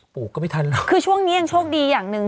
หนูก็ไม่ทันแล้วค่ะนะใช้คนใหม่คือช่วงนี้ยังโชคดีอย่างหนึ่ง